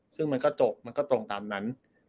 ซึ่งมันก็ตกตรงตามนั้น